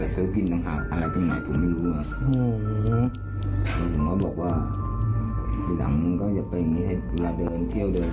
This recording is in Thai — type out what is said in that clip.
สู้กันแล้วเลยควักมีดแทง